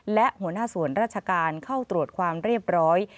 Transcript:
และหัวหน้าส่วนราชการเข้าตรวจความเรียบร้อย